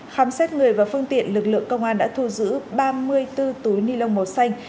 khám xét người và phương tiện lực lượng công an đã thu giữ ba mươi bốn túi ni lông màu xanh